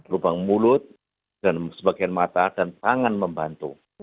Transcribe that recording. lubang mulut dan sebagian mata dan tangan membantu